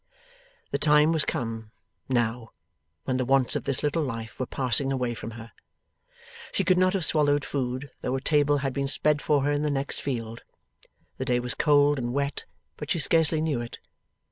The time was come, now, when the wants of this little life were passing away from her. She could not have swallowed food, though a table had been spread for her in the next field. The day was cold and wet, but she scarcely knew it.